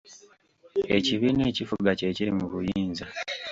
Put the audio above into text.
Ekibiina ekifuga kye kiri mu buyinza.